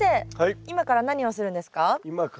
今から何をするんですか？